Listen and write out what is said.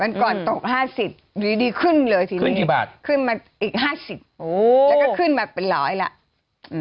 ท้องขึ้นด้วยมันก่อนตก๕๐บาทดีขึ้นเลยทีนี้ขึ้นมาอีก๕๐บาทแล้วก็ขึ้นมาเป็น๑๐๐บาทแล้ว